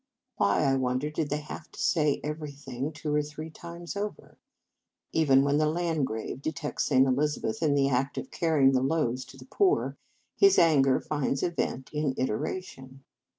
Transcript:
Why, I wondered, did they have to say everything two and three times over ? Even when the Landgrave detects St. Elizabeth in the act of carrying the loaves to the poor, his anger finds a vent in iteration.